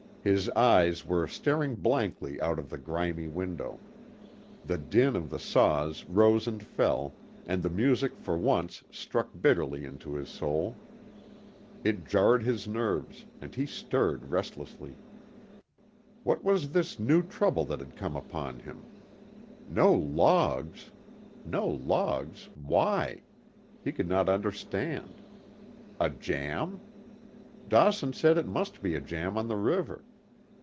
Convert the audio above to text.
His eyes were staring blankly out of the grimy window. The din of the saws rose and fell, and the music for once struck bitterly into his soul. It jarred his nerves, and he stirred restlessly. What was this new trouble that had come upon him? No logs! No logs! Why? He could not understand. A jam? Dawson said it must be a jam on the river.